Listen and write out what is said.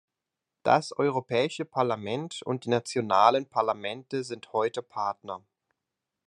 Das Europäische Parlament und die nationalen Parlamente sind heute Partner.